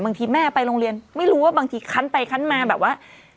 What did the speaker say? บางทีแม่ไปโรงเรียนไม่รู้ว่าบางทีคั้นไปคั้นมาแบบว่า